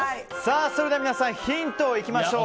それでは皆さんヒントいきましょう。